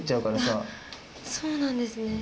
あっそうなんですね。